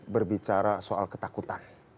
berbicara soal ketakutan